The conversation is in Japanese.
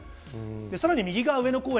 さらに右側は上野公園。